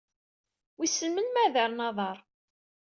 Wissen melmi ara ad-rren aḍar?